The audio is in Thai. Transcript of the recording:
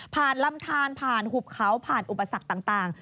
ลำทานผ่านหุบเขาผ่านอุปสรรคต่าง